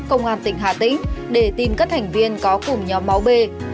công an tỉnh hà tĩnh để tìm các thành viên có cùng nhóm máu b